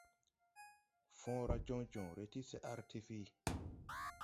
Fõõra jɔŋ jɔŋre ti CRTV.